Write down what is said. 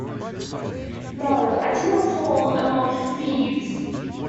No, I did not fall among thieves.